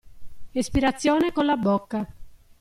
Espirazione colla bocca.